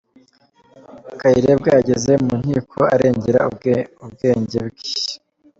Kayirebwa yageze mu nkiko arengera ubwenge bwe